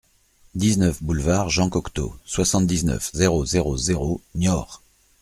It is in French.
dix-neuf boulevard Jean Cocteau, soixante-dix-neuf, zéro zéro zéro, Niort